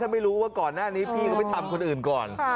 ไม่รู้ว่าก่อนหน้านี้พี่ก็ไปทำคนอื่นก่อน